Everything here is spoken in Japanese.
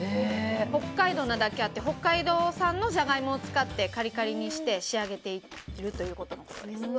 北海道なだけあって北海道産のジャガイモを使ってカリカリにして仕上げているということです。